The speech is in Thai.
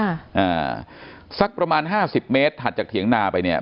อ่าสักประมาณห้าสิบเมตรถัดจากเถียงนาไปเนี่ย